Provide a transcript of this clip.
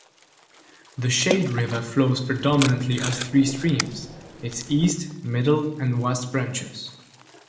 The Shade River flows predominantly as three streams, its east, middle, and west branches.